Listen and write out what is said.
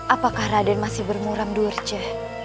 apakah raden masih bermuram durca